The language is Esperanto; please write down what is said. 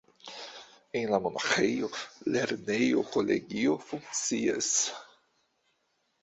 En la monaĥejo lernejo-kolegio funkcias.